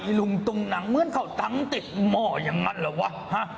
ไอลุงตรงหนังเหมือนเขาตั้งติดหม้อยังงั้นเหรอวะฮะ